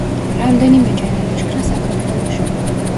რამდენიმეჯერ ილაშქრა საქართველოში.